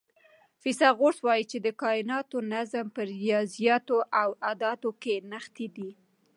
فیثاغورث وایي چې د کائناتو نظم په ریاضیاتو او اعدادو کې نغښتی دی.